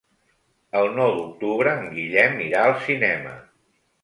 El nou d'octubre en Guillem irà al cinema.